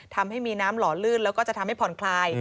ทำให้มีน้ำหล่อลื่นแล้วก็จะทำให้ผ่อนคลาย